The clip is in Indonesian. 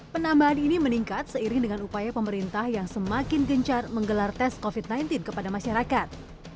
penambahan ini meningkat seiring dengan upaya pemerintah yang semakin gencar menggelar tes covid sembilan belas kepada masyarakat